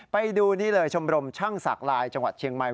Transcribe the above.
ไปดูนี่เลยชมรมช่างศักดิ์ลายจังหวัดเชียงใหม่